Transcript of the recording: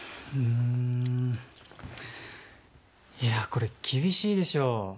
これ、厳しいでしょ。